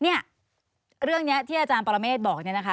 เนี่ยเรื่องนี้ที่อาจารย์ปรเมฆบอกเนี่ยนะคะ